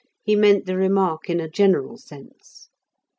He meant the remark in a general sense.